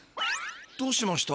どうしました？